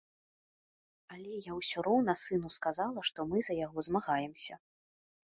Але я ўсё роўна сыну сказала, што мы за яго змагаемся.